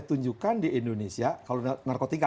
tunjukkan di indonesia kalau narkotika